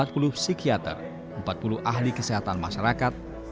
empat puluh psikiater empat puluh ahli kesehatan masyarakat